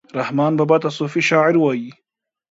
رحمان بابا ته صوفي شاعر وايي